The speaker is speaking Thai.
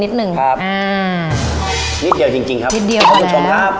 นิดเดียวจริงครับ